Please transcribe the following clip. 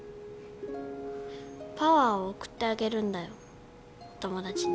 パワーを送ってあげるんだよお友達に。